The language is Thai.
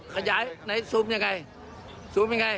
ขยายไหนซูมยังไงซูมยังไง